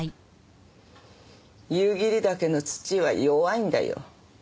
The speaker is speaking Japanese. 夕霧岳の土は弱いんだよ。